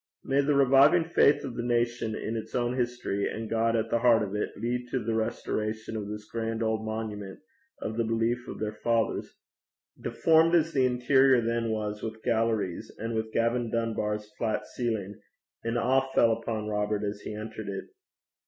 May the reviving faith of the nation in its own history, and God at the heart of it, lead to the restoration of this grand old monument of the belief of their fathers. Deformed as the interior then was with galleries, and with Gavin Dunbar's flat ceiling, an awe fell upon Robert as he entered it.